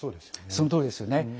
そのとおりですよね。